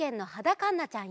かんなちゃん。